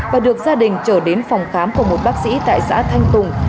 và được gia đình trở đến phòng khám của một bác sĩ tại xã thanh tùng